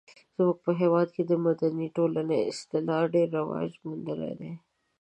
زموږ په هېواد کې د مدني ټولنې اصطلاح ډیر رواج موندلی دی.